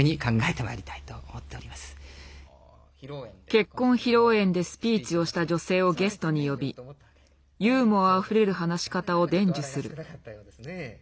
結婚披露宴でスピーチをした女性をゲストに呼びユーモアあふれる話し方を伝授する。